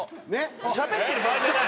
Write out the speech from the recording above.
しゃべってる場合じゃない？